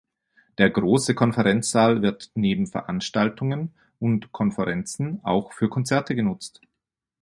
Der große Konferenzsaal wird neben Veranstaltungen und Konferenzen auch für Konzerte genutzt.